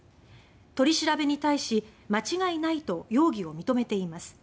取り調べに対し「間違いない」と容疑を認めています。